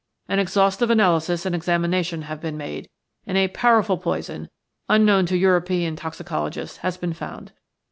An exhaustive analysis and examination have been made, and a powerful poison, unknown to European toxicologists, has been found.